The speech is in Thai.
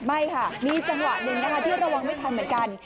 ไม่ค่ะมีจังหวะหนึ่งนะคะที่ระวังไม่ทันเหมือนกัน